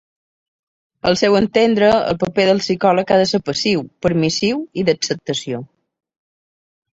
Al seu entendre, el paper del psicòleg ha de ser passiu, permissiu i d'acceptació.